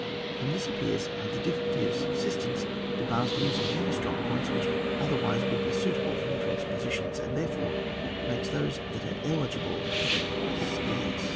From this appears how the dlf&cultj of subsistence debars the use of many strong points which otherwise would be suitable for entrenched positions, and, therefore, makes those that are eligible scarce.